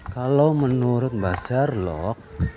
kalo menurut mba serlok